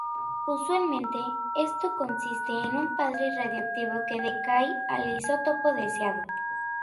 Usualmente, esto consiste en un padre radiactivo que decae al isótopo deseado.